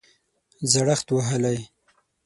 زړښت وهلی